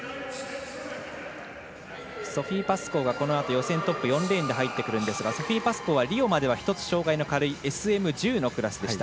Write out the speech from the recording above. ソフィー・パスコーがこのあと予選トップ４レーンで入ってくるんですがソフィー・パスコーはリオまではひとつ障がいの軽いクラスでした。